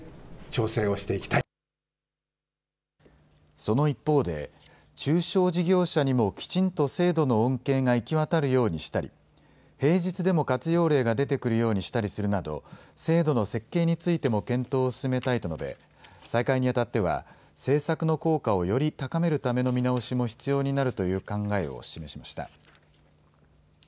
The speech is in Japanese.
その一方で中小事業者にもきちんと制度の恩恵が行き渡るようにしたり平日でも活用例が出てくるようにしたりするなど制度の設計についても検討を進めたいと述べ再開にあたっては政策の効果をより高めるための見直しも必要になるという考えを示しました。